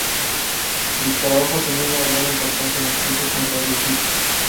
El escarabajo tenía una gran importancia en el culto funerario egipcio.